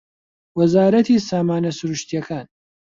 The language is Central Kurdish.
وەزارەتی سامانە سروشتییەکان